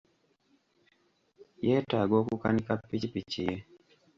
Yeetaaga okukanika pikipiki ye.